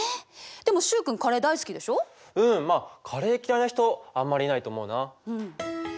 うんまあカレー嫌いな人あんまりいないと思うな。